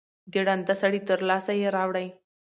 د ړانده سړي تر لاسه یې راوړی